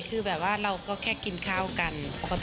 คือแบบว่าเราก็แค่กินข้าวกันปกติ